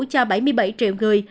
cho bảy mươi bảy triệu người